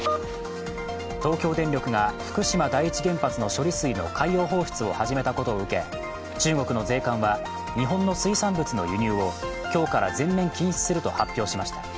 東京電力が福島第一原発の処理水の海洋放出を始めたことを受け、中国の税関は、日本の水産物の輸入を今日から全面禁止すると発表しました。